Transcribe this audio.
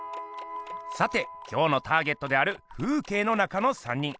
さて今日のターゲットである「風景の中の三人」。